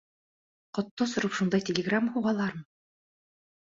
Ҡотто осороп шундай телеграмма һуғалармы?